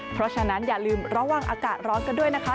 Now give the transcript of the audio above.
เพราะฉะนั้นอย่าลืมระวังอากาศร้อนกันด้วยนะคะ